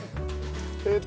えっと。